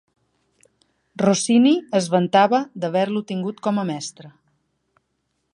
Rossini es vantava d'haver-lo tingut com a mestre.